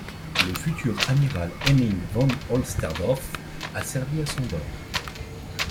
Le futur amiral Henning von Holtzendorff a servi à son bord.